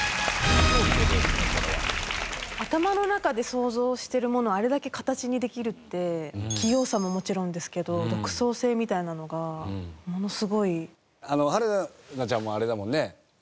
頭の中で想像しているものをあれだけ形にできるって器用さももちろんですけど独創性みたいなものがものすごい。